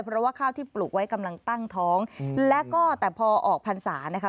เพราะว่าข้าวที่ปลูกไว้กำลังตั้งท้องแต่พอออกพันธุ์สารนะคะ